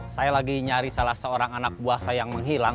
saya lagi nyari salah seorang anak buah saya yang menghilang